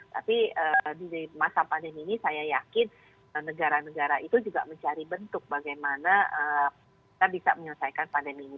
tapi di masa pandemi ini saya yakin negara negara itu juga mencari bentuk bagaimana kita bisa menyelesaikan pandemi ini